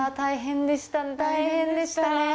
大変でした。